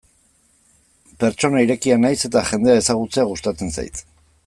Pertsona irekia naiz eta jendea ezagutzea gustatzen zait.